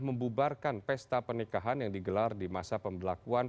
membubarkan pesta pernikahan yang digelar di masa pembelakuan